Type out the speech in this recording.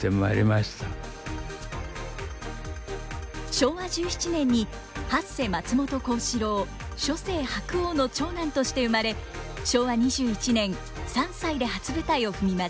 昭和１７年に八世松本幸四郎初世白鸚の長男として生まれ昭和２１年３歳で初舞台を踏みます。